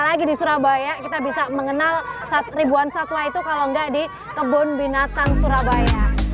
apalagi di surabaya kita bisa mengenal ribuan satwa itu kalau enggak di kebun binatang surabaya